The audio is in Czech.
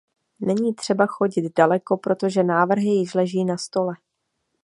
Není třeba chodit daleko, protože návrhy již leží na stole.